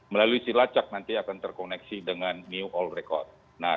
melalui silacak nanti akan terkoneksi dengan new all record